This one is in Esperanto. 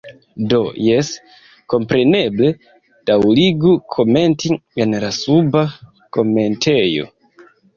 Do jes, kompreneble, daŭrigu komenti en la suba komentejo.